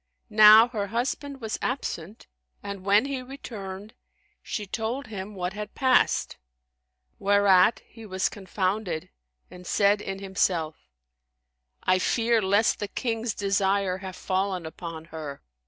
Now her husband was absent and when he returned, she told him what had passed, whereat he was confounded and said in himself, "I fear lest the King's desire have fallen upon her."